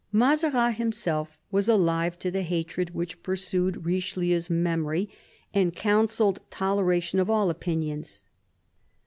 Mazarin himself was alive to the hatred which pursued Kichelieu's memory, and counselled toleration of all opinions.